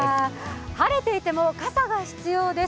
晴れていても傘が必要です。